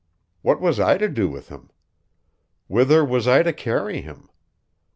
What was I to do with him? Whither was I to carry him?